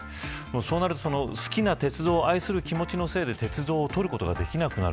そうなると、好きな鉄道を愛する気持ちのせいで鉄道を撮ることができなくなる。